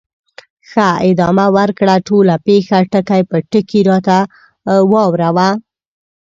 ښه، ادامه ورکړه، ټوله پېښه ټکي په ټکي راته واوره وه.